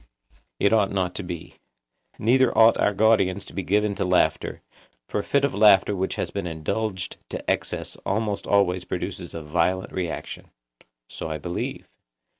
It ought not to be. Neither ought our guardians to be given to laughter. For a fit of laughter which has been indulged to excess almost always produces a violent reaction. So I believe.